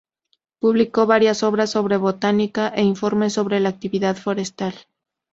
Publicó varias obras sobre botánica, e informes sobre la actividad forestal.